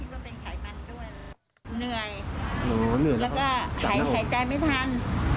เหนื่อยแล้วก็หายใจไม่ทัน